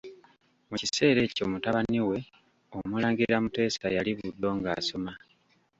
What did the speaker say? Mu kiseera ekyo mutabani we, Omulangira Muteesa yali Buddo ng'asoma.